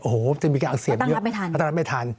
โอ้โหจะมีการเสี่ยงเยอะอาจจะตั้งรับไม่ทัน